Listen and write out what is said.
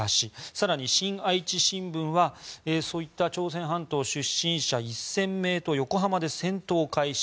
更に新愛知新聞はそういった朝鮮半島出身者１０００名と横浜で戦闘開始。